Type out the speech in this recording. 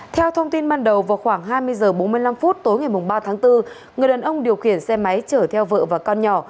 theo thông tin ban đầu vào khoảng hai mươi h bốn mươi năm tối ngày ba tháng bốn người đàn ông điều khiển xe máy chở theo vợ và con nhỏ